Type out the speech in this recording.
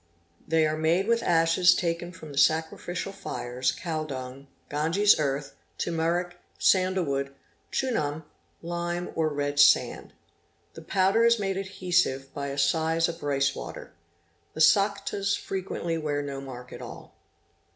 They are made with ashes taken from the sacrificial fires, cow dung, Ganges earth, turmeric, sandle wood, chunam, lime, or red sand. The powder is made adhesive by a size of rice water. 'The Saktas frequently wear no mark at all.